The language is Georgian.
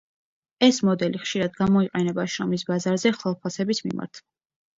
ეს მოდელი ხშირად გამოიყენება შრომის ბაზარზე ხელფასების მიმართ.